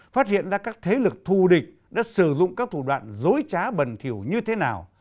phát hiện ra các thế lực thù địch đã sử dụng các thủ đoạn dối trá bần thiểu như thế nào